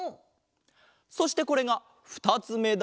そしてこれがふたつめだ！